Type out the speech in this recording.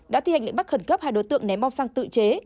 đã thi hành lệnh bắt khẩn cấp hai đối tượng ném bom xăng tự chế